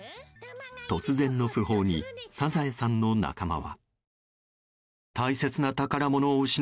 突然の訃報に「サザエさん」の仲間は。